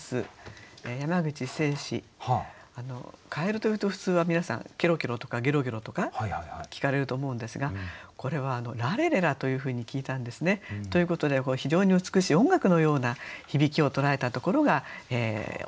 蛙というと普通は皆さん「ケロケロ」とか「ゲロゲロ」とか聞かれると思うんですがこれは「ラレレラ」というふうに聞いたんですね。ということで非常に美しい音楽のような響きを捉えたところがオリジナルなんですね。